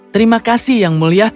terima kasih yang mulia